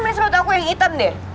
mas surat aku yang item deh